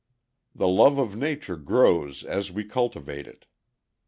The love of Nature grows as we cultivate it.